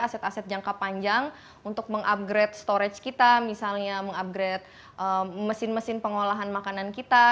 aset aset jangka panjang untuk meng upgrade storage kita misalnya meng upgrade mesin mesin pengolahan makanan kita